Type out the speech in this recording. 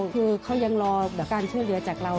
คือเขายังรอการช่วยเหลือจากเรา